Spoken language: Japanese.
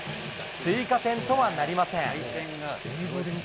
追加点とはなりません。